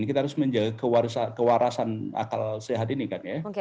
kita harus menjaga kewarasan akal sehat ini kan ya